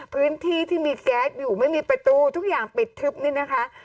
พื้นที่ที่มีแก๊สอยู่ไม่มีประตูทุกอย่างปิดทึบนี่นะคะ